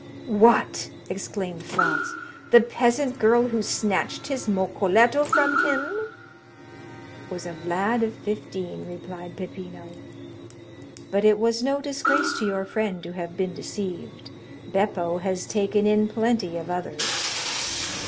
"What!" exclaimed Franz, "the peasant girl who snatched his mocoletto from him——" "Was a lad of fifteen," replied Peppino. "But it was no disgrace to your friend to have been deceived; Beppo has taken in plenty of others."